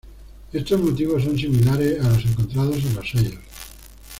Estos motivos son similares a los encontrados en los sellos.